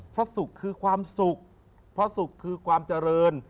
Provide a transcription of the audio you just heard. พระสุขคือความสุขพระสุขคือความเจริญ